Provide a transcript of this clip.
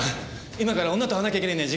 今から女と会わなきゃいけないんだよ。